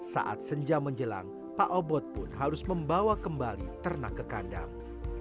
saat senja menjelang pak obot pun harus membawa kembali ternak ke kandang